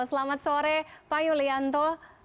selamat sore pak yulianto